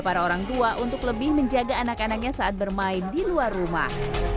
para orang tua untuk lebih menjaga anak anaknya saat bermain di luar rumah